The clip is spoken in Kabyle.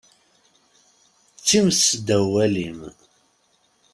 D times seddaw walim.